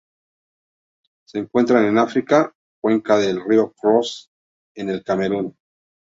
Se encuentran en África: cuenca del río Cross en el Camerún.